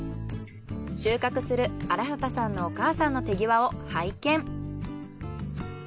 収穫する荒幡さんのお母さんの手際を拝見。